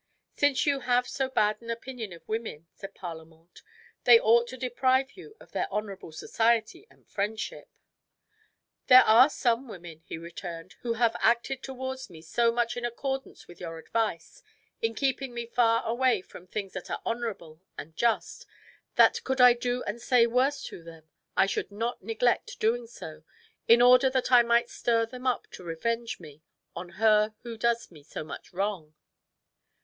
"Since you have so bad an opinion of women," said Parlamente, "they ought to deprive you of their honourable society and friendship." "There are some women," he returned, "who have acted towards me so much in accordance with your advice, in keeping me far away from things that are honourable and just, that could I do and say worse to them, I should not neglect doing so, in order that I might stir them up to revenge me on her who does me so much wrong."